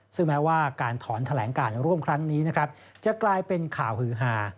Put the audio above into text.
ซึ่งแม้ว่าการถอนแถลงการร่วมครั้งนี้นะครับจะกลายเป็นข่าวหือหา